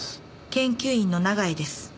研究員の長江です。